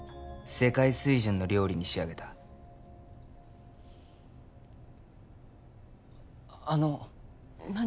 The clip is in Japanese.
世界水準の料理に仕上げたあの何？